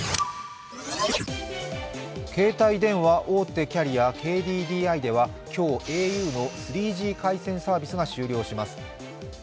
携帯電話大手キャリアＫＤＤＩでは今日、ａｕの３Ｇ回線サービスが終了します。